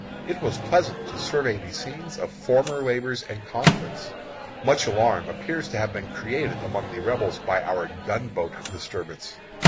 It was pleasant to survey the scenes of former labors and conflicts. Much alarm appears to have been created among the Rebels by our gunboat disturbance.